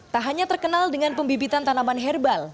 tak hanya terkenal dengan pembibitan tanaman herbal